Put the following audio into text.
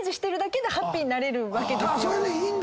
それでいいんだ！